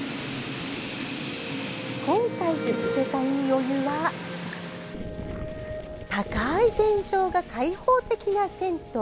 今回見つけた、いいお湯は高い天井が開放的な銭湯。